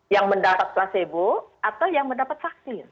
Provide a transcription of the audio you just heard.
yang mendapat placebo atau yang mendapat vaksin